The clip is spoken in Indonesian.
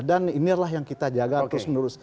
dan inilah yang kita jaga terus menerus